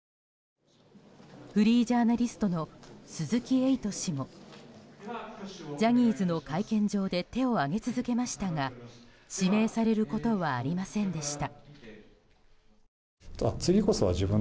フリージャーナリストの鈴木エイト氏もジャニーズの会見場で手を上げ続けましたが指名されることはありませんでした。